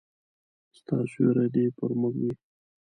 ستا سیوری دي پر موږ وي